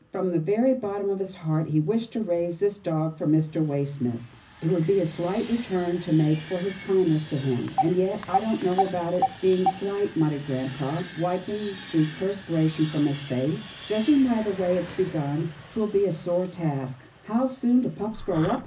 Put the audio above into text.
From the very bottom of his heart he wished to raise this dog for Mr. Waysmith. It would be a slight return to make for his kindness to him, " and yet I don't know about it's being slight," muttered grampa, wiping the per spiration from his face, " judging by the way it's begun, 'twill be a sore task — How soon do pups grow up.